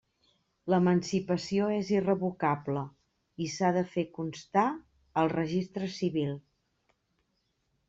L'emancipació és irrevocable i s'ha de fer constar al Registre Civil.